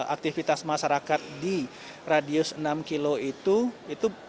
aktivitas masyarakat di radius enam km itu